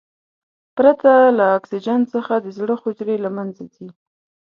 پرته له اکسیجن څخه د زړه حجرې له منځه ځي.